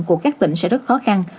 của các tỉnh sẽ rất khó khăn